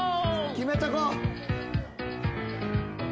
決めとこう。